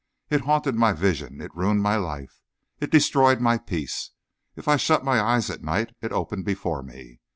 It haunted my vision; it ruined my life; it destroyed my peace. If I shut my eyes at night, it opened before me.